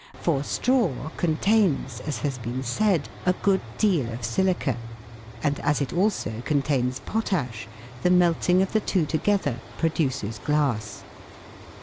For straw contains, as has been said, a good deal of silica, and as it also contains potash, the melting of the two together pro duces glass.